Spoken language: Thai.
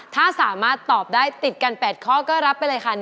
ถ้าสามารถตอบได้ติดกัน๘ข้อก็รับไปเลยค่ะ